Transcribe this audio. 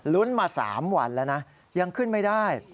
มา๓วันแล้วนะยังขึ้นไม่ได้